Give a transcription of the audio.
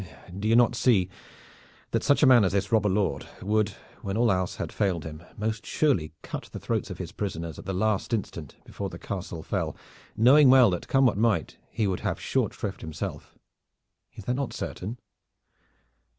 Do you not see that such a man as this robber lord would, when all else had failed him, most surely cut the throats of his prisoners at the last instant before the castle fell, knowing well that come what might he would have short shrift himself? Is that not certain?"